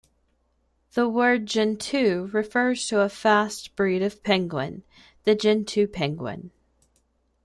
The word "gentoo" refers to a fast breed of penguin, the gentoo penguin.